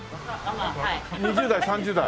２０代３０代？